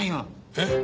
えっ？